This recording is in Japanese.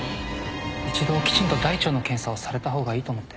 一度きちんと大腸の検査をされた方がいいと思って